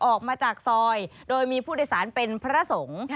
ออกมาจากซอยโดยมีผู้โดยสารเป็นพระสงฆ์